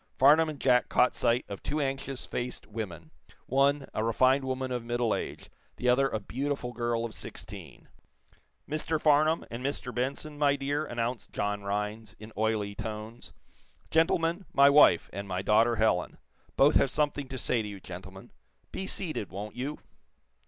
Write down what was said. Farnum and Jack caught sight of two anxious faced women one, a refined woman of middle age, the other a beautiful girl of sixteen. "Mr. Farnum, and Mr. Benson, my dear," announced John Rhinds, in oily tones. "Gentlemen, my wife, and my daughter, Helen. Both have something to say to you, gentlemen. Be seated, won't you?"